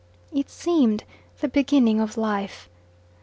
It seemed the beginning of life.